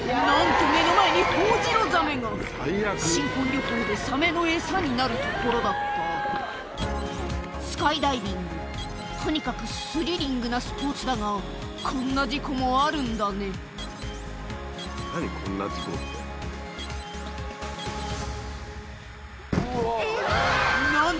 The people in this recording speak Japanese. なんと目の前にホオジロザメが新婚旅行でサメの餌になるところだったスカイダイビングとにかくスリリングなスポーツだがこんな事故もあるんだね何？